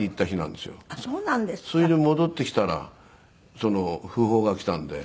それで戻ってきたら訃報が来たんで。